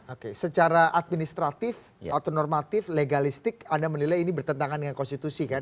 oke secara administratif atau normatif legalistik anda menilai ini bertentangan dengan konstitusi kan